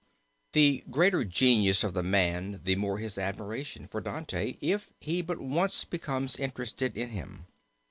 The greater the genius of the man the more his admiration for Dante if he but once becomes interested in him.